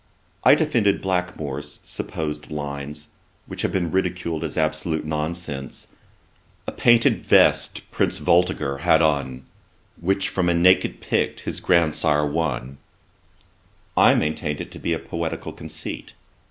I defended Blackmore's supposed lines, which have been ridiculed as absolute nonsense: 'A painted vest Prince Voltiger had on, Which from a naked Pict his grandsire won.' I maintained it to be a poetical conceit.